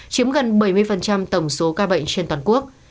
chiếm gần bảy mươi tổng số ca bệnh trên toàn quốc